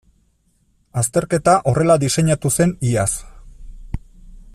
Azterketa horrela diseinatu zen iaz.